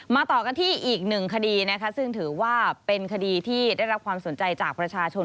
ต่อกันที่อีกหนึ่งคดีนะคะซึ่งถือว่าเป็นคดีที่ได้รับความสนใจจากประชาชน